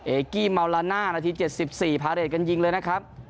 เอกี้เมาลาน่านาทีเจ็ดสิบสี่พระเรศกันยิงเลยนะครับ